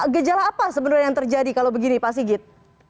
gejala apa sebenarnya yang terjadi kalau begini pak sigit